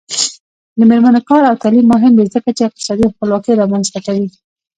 د میرمنو کار او تعلیم مهم دی ځکه چې اقتصادي خپلواکۍ رامنځته کوي.